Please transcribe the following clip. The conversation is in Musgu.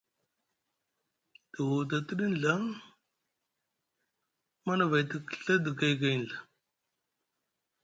Te huda tiɗi nɵa Manavay te kɵa edi gaygay nɵa.